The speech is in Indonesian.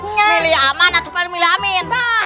milih aman atau milih amin